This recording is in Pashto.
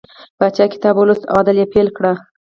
پاچا کتاب ولوست او عدل یې پیل کړ.